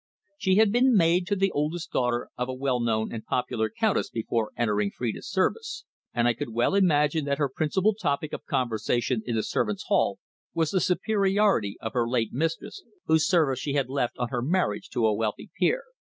She had been maid to the oldest daughter of a well known and popular countess before entering Phrida's service, and I could well imagine that her principal topic of conversation in the servants' hall was the superiority of her late mistress, whose service she had left on her marriage to a wealthy peer.